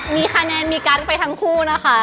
มีคะแนนมีการ์ไปทั้งคู่นะคะ